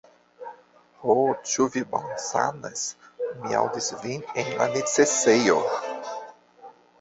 Ho, ĉu vi bonsanas? Mi aŭdis vin en la necesejo!